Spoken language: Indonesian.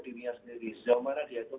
dunia sendiri sejauh mana dia itu